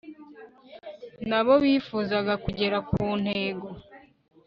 na bo bifuzaga kugera ku ntego